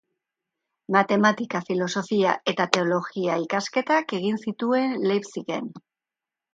Matematika-, filosofia- eta teologia-ikasketak egin zituen Leipzigen.